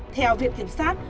theo viện kiểm soát